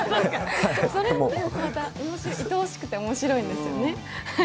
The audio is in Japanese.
それもまた愛おしくて面白いんですよね。